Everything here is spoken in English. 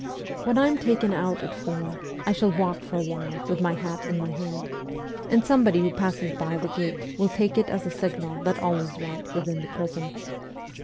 When I am taken out at four, I shall walk for a while with my hat in my hand, and somebody who passes by the gate will take it as a signal that all is right within the prison.